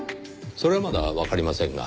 それはまだわかりませんが。